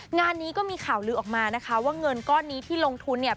งานนี้ก็มีข่าวลือออกมานะคะว่าเงินก้อนนี้ที่ลงทุนเนี่ย